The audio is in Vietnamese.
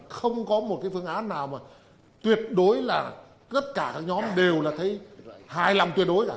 không có một cái phương án nào mà tuyệt đối là tất cả các nhóm đều là thấy hài lòng tuyệt đối cả